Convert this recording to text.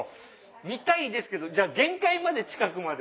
見たいですけどじゃあ限界まで近くまで。